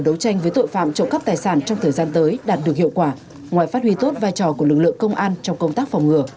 đấu tranh với loại tội phạm đối tranh với loại tội phạm